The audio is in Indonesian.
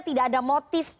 tidak ada motif